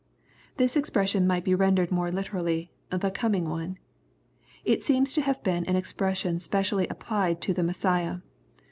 ] This expression might be rendered more literally, the coming One." It seems to have been an expression specially applied to the Messiah.